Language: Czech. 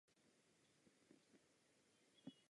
Znepokojují nás autoritářské tendence v Rusku.